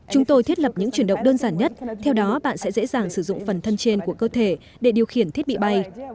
chúng tôi thiết lập những chuyển động đơn giản nhất theo đó bạn sẽ dễ dàng sử dụng phần thân trên của cơ thể để điều khiển thiết bị bay